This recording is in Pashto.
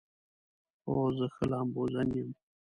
هو، زه ښه لامبوزن یم